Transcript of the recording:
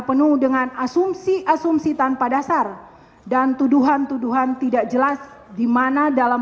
penuh dengan asumsi asumsi tanpa dasar dan tuduhan tuduhan tidak jelas dimana dalam